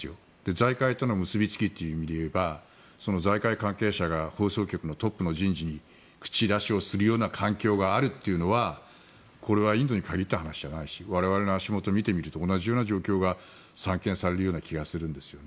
財界との結びつきという意味でいえば財界関係者が放送局のトップの人事に口出しをするような環境があるのはこれはインドに限った話じゃないし我々の足元を見てみても同じような状況が散見されるような気がするんです。